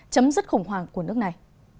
chấm dứt khủng hoảng của nước này